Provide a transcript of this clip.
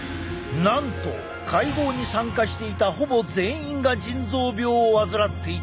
なんと会合に参加していたほぼ全員が腎臓病を患っていた。